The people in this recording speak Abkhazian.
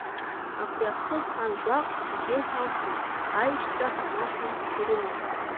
Абри ахҭыс ан гәаҟ ирзеиҭалҳәеит аишьцәа Ҳанашәи Қьерыми.